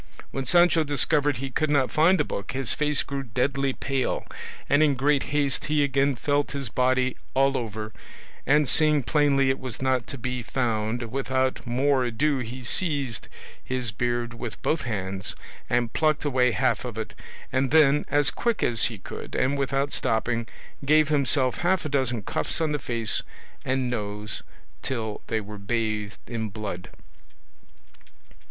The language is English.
When Sancho discovered he could not find the book his face grew deadly pale, and in great haste he again felt his body all over, and seeing plainly it was not to be found, without more ado he seized his beard with both hands and plucked away half of it, and then, as quick as he could and without stopping, gave himself half a dozen cuffs on the face and nose till they were bathed in blood.